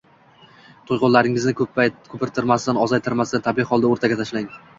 Tuyg‘ularingizni ko‘pirtirmasdan, ozaytirmasdan tabiiy holda o‘rtaga tashlang.